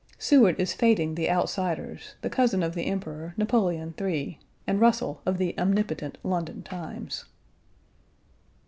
Seward is fêting the outsiders, the cousin of the Emperor, Napoleon III., and Russell, of the omnipotent London Times.